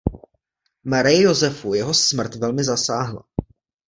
Marii Josefu jeho smrt velmi zasáhla.